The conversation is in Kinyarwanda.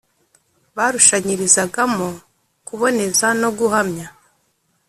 barushanyirizagamo kuboneza no guhamya.